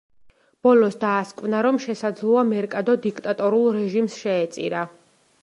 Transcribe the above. ბოლოს დაასკვნა, რომ შესაძლოა, მერკადო დიქტატორულ რეჟიმს შეეწირა.